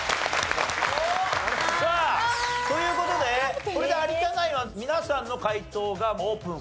さあという事でこれで有田ナインは皆さんの解答がオープンされました。